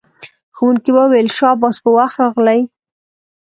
ښوونکی وویل شاباس په وخت راغلئ.